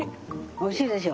おいしいでしょ。